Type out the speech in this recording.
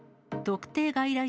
特定外来